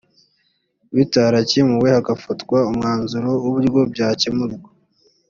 bitarakemuwe hagafatwa umwanzuro w uburyo byakemurwa